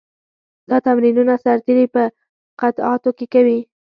دا تمرینونه سرتېري په قطعاتو کې کوي.